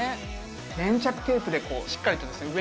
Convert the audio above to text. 粘着テープでこうしっかりとですね